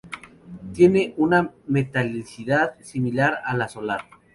Tiene una metalicidad similar a la solar.